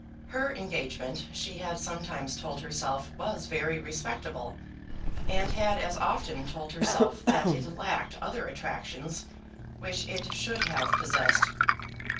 Her engagement, she had sometimes told herself, was very respectable, and had as often told herself that it lacked other attractions which it should have possessed.